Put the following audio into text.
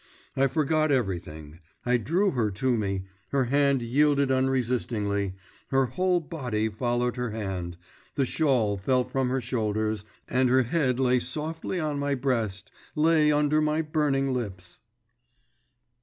I forgot everything, I drew her to me, her hand yielded unresistingly, her whole body followed her hand, the shawl fell from her shoulders, and her head lay softly on my breast, lay under my burning lips.